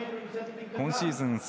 今シーズン